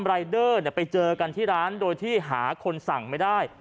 รายเดอร์ไปเจอกันที่ร้านโดยที่หาคนสั่งไม่ได้